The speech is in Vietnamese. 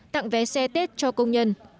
tặng vé xe tết cho công nhân